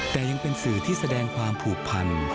แต่ยังเป็นสื่อที่แสดงความผูกพัน